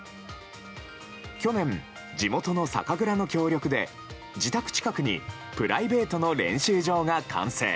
去年、地元の酒蔵の協力で自宅近くにプライベートの練習場が完成。